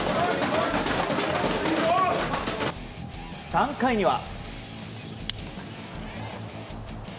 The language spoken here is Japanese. ３回には。